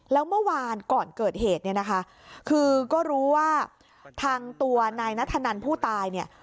แล้วเมื่อวานก่อนเกิดเหตุคือก็รู้ว่าทางตัวนายนทนันผู้ตาย